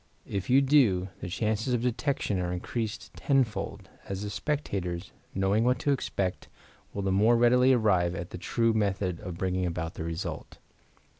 If you do, the chances of detection are increased tenfold, as the spectators, knowing what to expect, will the more readily arrive at the true method of bringing about the result.